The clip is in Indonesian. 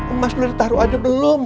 emas boleh ditarok aja belum